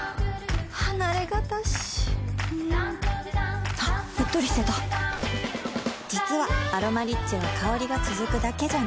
離れがたしんはっうっとりしてた実は「アロマリッチ」は香りが続くだけじゃない